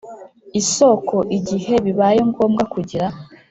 Isoko igihe bibaye ngombwa kugira